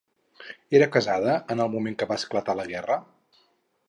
Era casada en el moment que va esclatar la guerra?